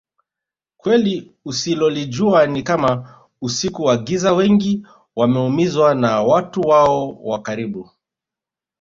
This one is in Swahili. Kweli usilolijua Ni Kama usiku wa Giza wengi wameumizwa na watu wao wa karibu